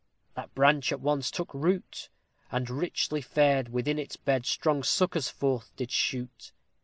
that branch at once took root, And richly fed, within its bed, strong suckers forth did shoot.